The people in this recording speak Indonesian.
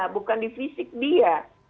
bukan di fisik dia